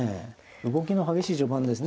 動きの激しい序盤ですね。